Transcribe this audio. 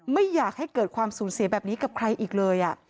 ไม่อยากให้เกิดความสูญเสียแบบนี้กับใครอีกเลย